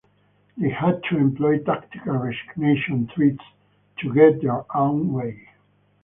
They had to employ tactical resignation threats, to get their own way.